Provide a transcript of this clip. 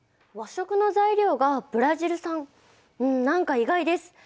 和食の材料がブラジル産ん何か意外です。